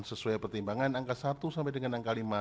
sesuai pertimbangan angka satu sampai dengan angka lima